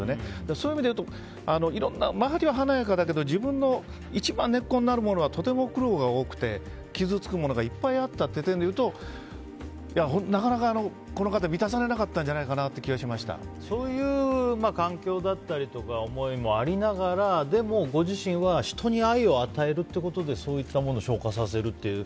そういう意味でいうと周りは華やかだけど自分の一番根っこになるものはとても苦労が多くて傷つくものはいっぱいあったという点でいうとなかなかこの方満たされなかったんじゃないかなそういう環境だったり思いもありながらでも、ご自身は人に愛を与えるということでそういったものを消化させるという。